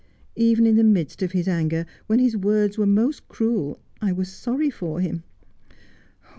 Even in the midst of his anger, when his words were most cruel, I was sorry for him.